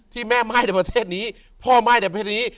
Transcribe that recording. แม่ม่ายในประเทศนี้พ่อม่ายในประเทศนี้